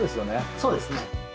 そうですね。